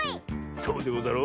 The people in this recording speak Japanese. そうでござろう。